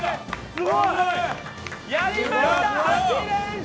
すごい。やりました８連勝！